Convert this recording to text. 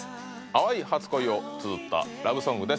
淡い初恋をつづったラブソングです。